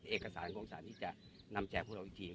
เอกสารของสารนี้จะนำแจกพวกเราจริง